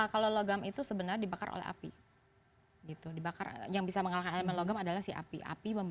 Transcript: kalau logam itu sebenarnya dibakar oleh api gitu dibakar yang bisa mengalahkan elemen logam adalah si api api